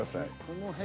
この辺。